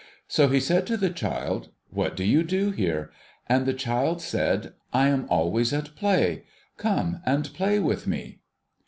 So he said to the child, ' What do you do here ?' And the child said, * I am always at play. Come and play with me